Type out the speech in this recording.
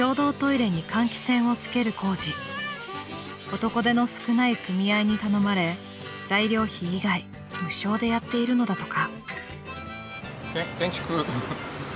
［男手の少ない組合に頼まれ材料費以外無償でやっているのだとか］